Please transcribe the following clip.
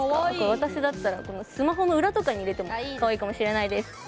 私だったらスマホの裏とかに入れてもかわいいかもしれないです。